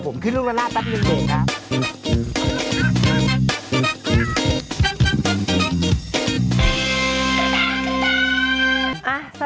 เบรกก่อนนะเดี๋ยวล่ะ